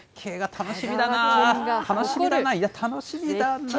楽しみだな、楽しみだな、いや、楽しみだな。